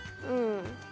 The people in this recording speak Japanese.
うん。